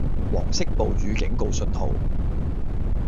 黃色暴雨警告信號